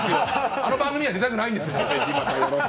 あの番組には出たくない。